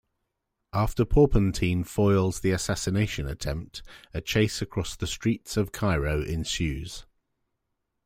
After Porpentine foils the assassination attempt, a chase across the streets of Cairo ensues.